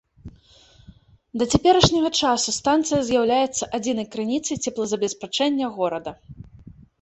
Да цяперашняга часу станцыя з'яўляецца адзінай крыніцай цеплазабеспячэння горада.